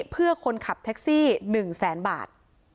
เพื่อคนขับแท็กซี่๑แสนบาท